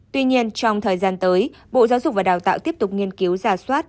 tuy nhiên trong thời gian tới bộ giáo dục và đào tạo tiếp tục nghiên cứu giả soát